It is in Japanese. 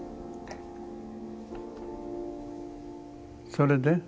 それで？